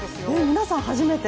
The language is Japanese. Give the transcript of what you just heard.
皆さん初めて？